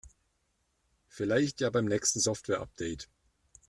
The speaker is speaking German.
Vielleicht ja beim nächsten Softwareupdate.